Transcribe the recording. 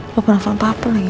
aku pernah fangpapel lagi